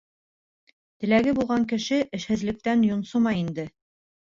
— Теләге булған кеше эшһеҙлектән йонсомай инде.